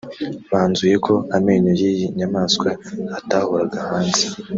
banzuye ko amenyo y’iyi nyamanswa atahoraga hanze